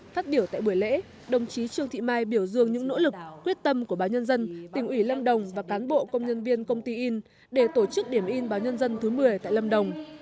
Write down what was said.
phát biểu tại buổi lễ đồng chí trương thị mai biểu dương những nỗ lực quyết tâm của báo nhân dân tỉnh ủy lâm đồng và cán bộ công nhân viên công ty in để tổ chức điểm in báo nhân dân thứ một mươi tại lâm đồng